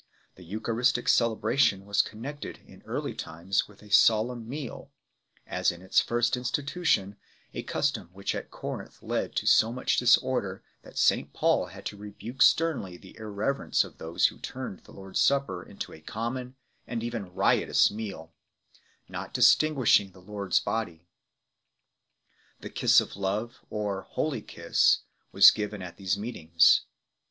The Eucharistic celebration was connected in early times with a solemn meal 2 , as in its first institution ; a custom which at Corinth led to so much disorder that St Paul had to rebuke sternly the irreverence of those who turned the Lord s Supper into a common, and even riotous, meal, " not distinguishing the Lord s Body." The " Kiss of Love 3 ," or " Holy Kiss 4 ," was given at these meetings.